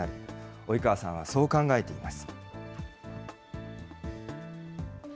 及川さんはそう考えています。